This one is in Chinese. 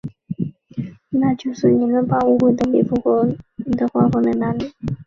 那就是你能把舞会礼服和你的花放在哪里？